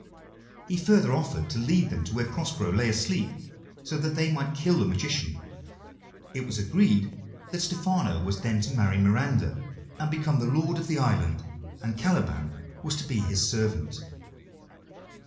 He further offered to lead them to where Prospero lay asleep, so that they might kill the magician. It was agreed that Stephano was then to marry Miranda, and become the lord of the island, and Caliban was to be his servant.